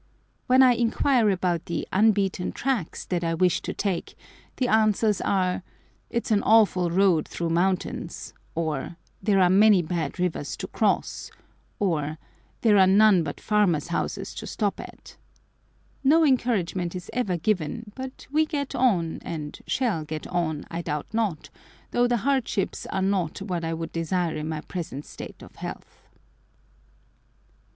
When I inquire about the "unbeaten tracks" that I wish to take, the answers are, "It's an awful road through mountains," or "There are many bad rivers to cross," or "There are none but farmers' houses to stop at." No encouragement is ever given, but we get on, and shall get on, I doubt not, though the hardships are not what I would desire in my present state of health.